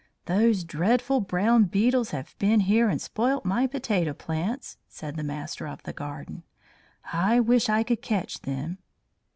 "Those dreadful brown beetles have been here and spoilt my potato plants," said the master of the garden. "I wish I could catch them."